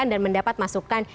dan mendapat masukan